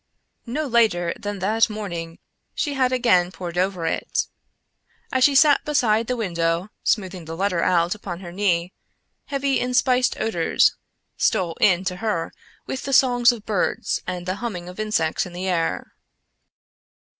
No later than that morning she had again pored over it. As she sat beside the window, smoothing the letter out upon her knee, heavy and spiced odors stole in to her with the songs of birds and the humming of insects in the air.